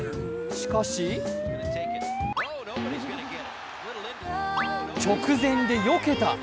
しかし直前でよけた。